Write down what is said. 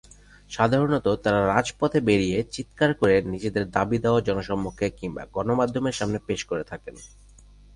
সাধারণত তারা রাজপথে বেরিয়ে চিৎকার করে নিজেদের দাবি-দাওয়া জনসমক্ষে কিংবা গণমাধ্যমের সামনে পেশ করে থাকেন।